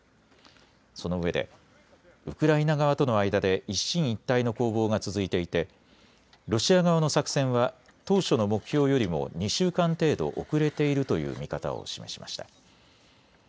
そのうえでウクライナ側との間で一進一退の攻防が続いていてロシア側の作戦は当初の目標よりも２週間程度遅れているという見方を示しました。